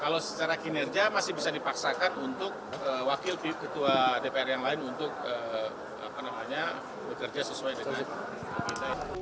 kalau secara kinerja masih bisa dipaksakan untuk wakil ketua dpr yang lain untuk bekerja sesuai dengan agenda itu